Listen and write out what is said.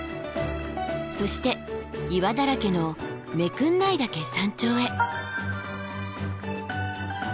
そして岩だらけの目国内岳山頂へ。